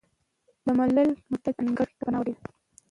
د ملل متحد انګړ ته پناه ویوړه،